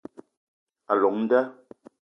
A llong nda